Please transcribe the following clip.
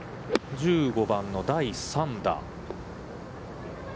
１５番の第３打。